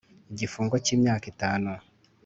igifungo cy imyaka itanu